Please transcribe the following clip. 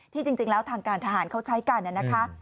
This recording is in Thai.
จริงแล้วทางการทหารเขาใช้กันนะคะ